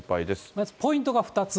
まずポイントが２つ。